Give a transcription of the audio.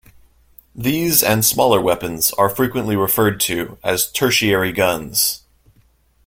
These and smaller weapons are frequently referred to as tertiary guns.